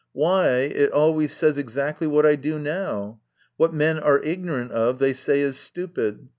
Why, it always says exactly what I do now ! What men are ignorant of they say is stupid.